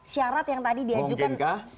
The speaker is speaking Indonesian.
syarat yang tadi diajukan